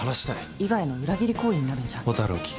伊賀への裏切り行為になるんじゃ？